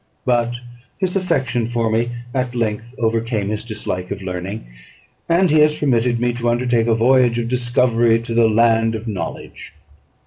But his affection for me at length overcame his dislike of learning, and he has permitted me to undertake a voyage of discovery to the land of knowledge."